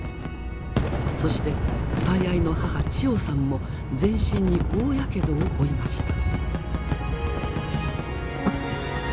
そして最愛の母チヨさんも全身に大やけどを負いました。